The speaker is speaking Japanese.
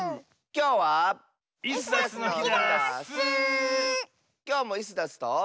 きょうもイスダスと。